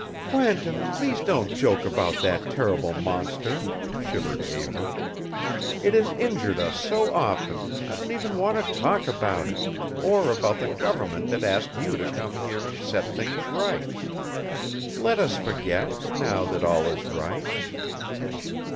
"Quentin please don't joke about that terrible monster," shivered Eva. "It has injured us so often I don't even want to talk about it or about the government that asked you to come here and set things right. Let us forget now that all is right."